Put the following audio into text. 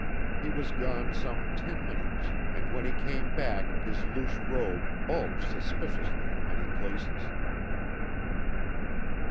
He was gone some ten minutes, and when he came back his loose robe bulged suspiciously in many places.